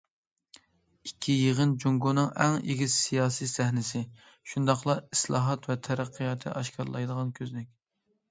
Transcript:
ئىككى يىغىن جۇڭگونىڭ ئەڭ ئېگىز سىياسىي سەھنىسى، شۇنداقلا ئىسلاھات ۋە تەرەققىياتنى ئاشكارىلايدىغان كۆزنەك.